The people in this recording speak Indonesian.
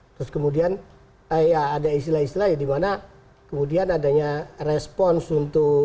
terus kemudian ada istilah istilah di mana kemudian adanya respons untuk